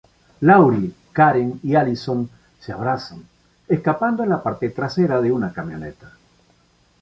Laurie, Karen y Allyson se abrazan, escapando en la parte trasera de una camioneta.